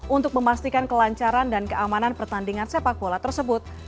untuk memastikan kelancaran dan keamanan pertandingan sepak bola tersebut